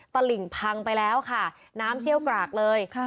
ตลิ่งพังไปแล้วค่ะน้ำเชี่ยวกรากเลย